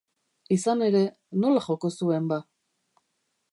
Izan ere, nola joko zuen ba?